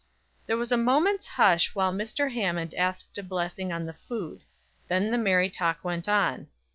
There was a moment's hush while Mr. Hammond asked a blessing on the food; then the merry talk went on.